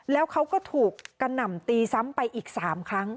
แล้วเขาก็ถูกกระหน่ำตีซ้ำไปอีก๓ครั้ง